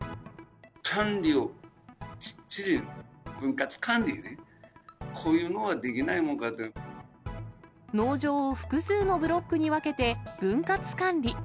管理をきっちり、分割管理ね、農場を複数のブロックに分けて、分割管理。